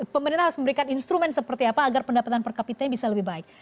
pemerintah harus memberikan instrumen seperti apa agar pendapatan per kapitanya bisa lebih baik